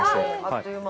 あっという間。